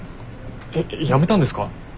えっ辞めたんですか？